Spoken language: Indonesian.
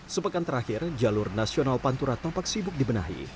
sepekan terakhir jalur nasional pantura tampak sibuk dibenahi